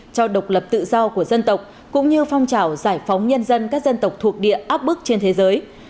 cho độc lập tự do của dân tộc cũng như phong trào giải phóng nhân dân các dân tộc thuộc địa áp bức trên thế giới